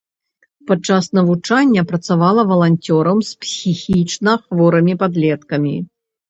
Падчас навучання працавала валанцёрам з псіхічна хворымі падлеткамі.